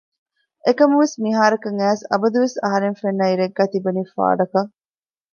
އެކަމުވެސް މިހާރަކަށް އައިސް އަބަދު ވެސް އަހަރެން ފެންނަ އިރެއްގައި ތިބެނީ ފާޑަކަށް